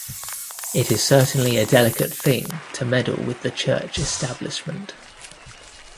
It is certainly a delicate thing to meddle with the church establishment.